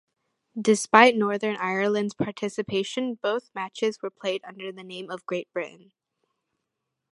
Despite Northern Ireland's participation, both matches were played under the name of 'Great Britain'.